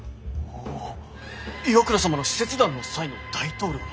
おぉ岩倉様の使節団の際の大統領の！